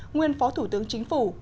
nguyên phó thủ tướng chính phủ